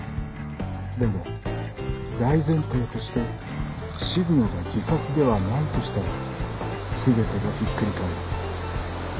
でも大前提として静野が自殺ではないとしたら全てがひっくり返る